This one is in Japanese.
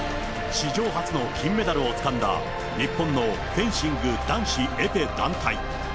史上初の金メダルをつかんだ日本のフェンシング男子エペ団体。